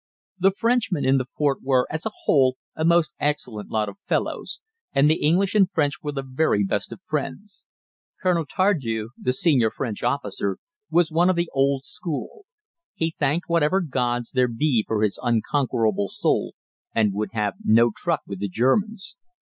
The Frenchmen in the fort were, as a whole, a most excellent lot of fellows, and the English and French were the very best of friends. Colonel Tardieu, the senior French officer, was one of the old school. "He thanked whatever gods there be for his unconquerable soul," and would have no truck with the Germans.